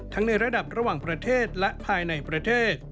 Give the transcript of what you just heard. ในระดับระหว่างประเทศและภายในประเทศ